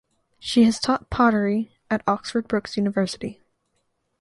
She has taught poetry at Oxford Brookes University.